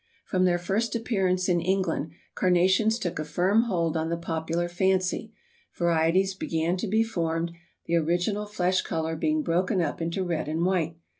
From their first appearance in England Carnations took a firm hold on the popular fancy, varieties began to be formed, the original flesh color being broken up into red and white.